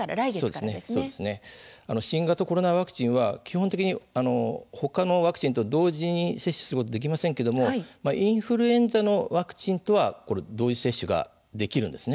新型コロナワクチンは基本的に他のワクチンと同時に接種することができませんけれどもインフルエンザのワクチンとは同時接種ができるんです。